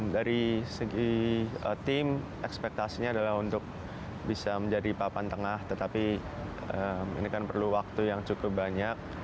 dari segi tim ekspektasinya adalah untuk bisa menjadi papan tengah tetapi ini kan perlu waktu yang cukup banyak